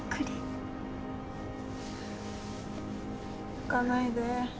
泣かないで。